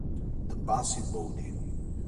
The Busy Body